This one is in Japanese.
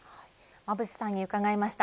馬渕さんに伺いました。